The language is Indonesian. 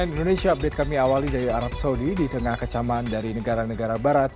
cnn indonesia update kami awali dari arab saudi di tengah kecaman dari negara negara barat